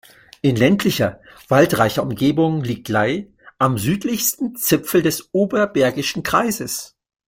In ländlicher, waldreicher Umgebung liegt Ley am südlichsten Zipfel des Oberbergischen Kreises.